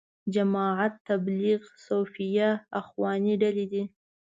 جماعت تبلیغ، صوفیه، اخواني ډلې دي.